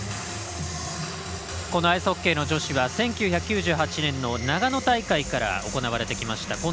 このアイスホッケー女子は１９９８年の長野大会から行われてきました。